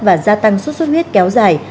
và gia tăng xuất xuất huyết kéo dài